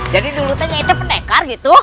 jadi dulu teh nyanyi itu pendekar gitu